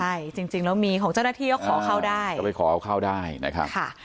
ใช่จริงจริงแล้วมีของเจ้าหน้าที่ก็ขอเข้าได้ก็ไปขอเอาเข้าได้นะครับค่ะ